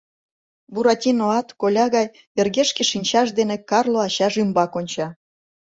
Буратиноат коля гай йыргешке шинчаж дене Карло ачаж ӱмбак онча.